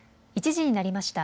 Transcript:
１時になりました。